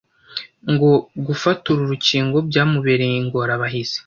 Ngo gufata uru rukingo byamubereye ingorabahizi.